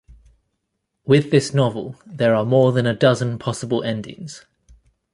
With this novel, there are more than a dozen possible endings.